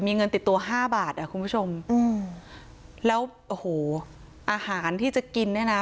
มีเงินติดตัว๕บาทคุณผู้ชมแล้วอาหารที่จะกินนะนะ